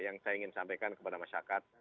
yang saya ingin sampaikan kepada masyarakat